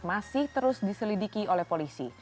masih terus diselidiki oleh polisi